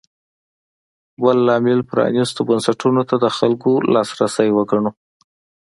بل لامل پرانېستو بنسټونو ته د خلکو لاسرسی وګڼو.